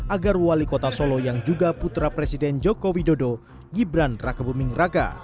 agar wali kota solo yang juga putra presiden joko widodo gibran raka buming raka